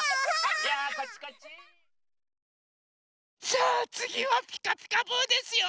さあつぎは「ピカピカブ！」ですよ。